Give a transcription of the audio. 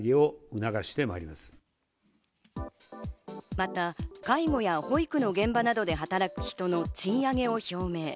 また介護や保育の現場などで働く人の賃上げを表明。